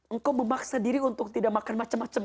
engkau memaksa diri untuk tidak makan macam macam